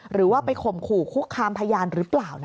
หรือว่าไปข่มขู่คุกคามพยานหรือเปล่า